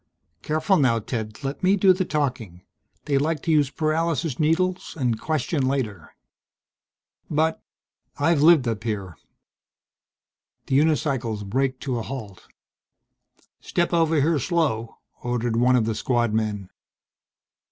"Careful now, Ted. Let me do the talking. They like to use paralysis needles and question later." "But " "I've lived up here." The unicycles braked to a halt. "Step over here, slow," ordered one of the Squadmen.